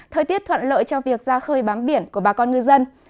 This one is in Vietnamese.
thời tiết thuận lợi cho việc ra khơi bám biển của bà con ngư dân